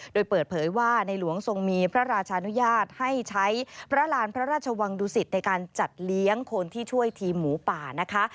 โดยเปิดเผยว่าในหลวงทรงมีพระราชานุญาตให้ใช้พระราณพระราชวังดุสิตในการจัดเลี้ยงคนที่ช่วยทีมหมูป่านะคะ